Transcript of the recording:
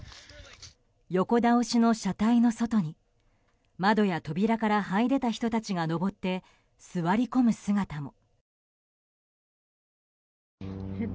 横倒しの車体の外に窓や扉からはい出た人たちが上って座り込む姿も。